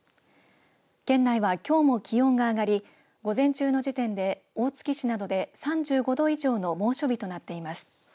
県内は、きょうも気温が上がり午前中の時点で大月市などで３５度以上の猛暑日となっています。